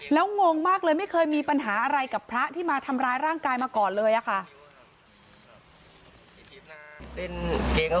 แล้วงงมากเลยไม่เคยมีปัญหาอะไรกับพระที่มาทำร้ายร่างกายมาก่อนเลยอะค่ะ